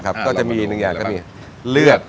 ครับก็จะมีหนึ่งอย่างก็มีเลือด